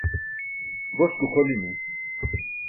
Gos guxolimi.